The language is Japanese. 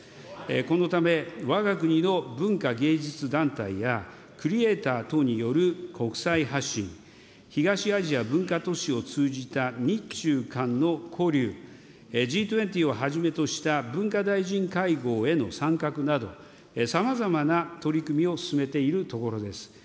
このため、わが国の文化芸術団体や、クリエーター等による国際発信、東アジア文化都市を通じた日中韓の交流、Ｇ２０をはじめとした文化大臣会合への参画など、さまざまな取り組みを進めているところです。